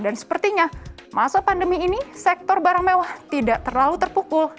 dan sepertinya masa pandemi ini sektor barang mewah tidak terlalu terpukul